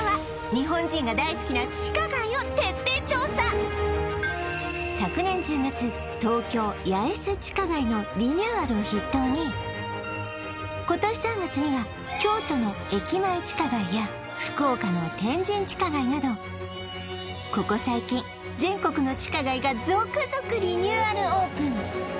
今夜は昨年１０月東京・八重洲地下街のリニューアルを筆頭に今年３月には京都の駅前地下街や福岡の天神地下街などここ最近全国の地下街が続々リニューアルオープン